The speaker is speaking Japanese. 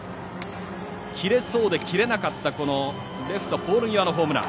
切れそうで切れなかったレフト、ポール際のホームラン。